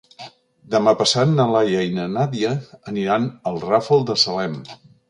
Demà passat na Laia i na Nàdia aniran al Ràfol de Salem.